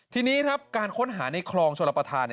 ทีนี้ครับการค้นหาในคลองชลประธาน